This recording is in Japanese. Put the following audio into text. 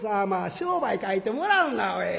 商売書いてもらうなおい。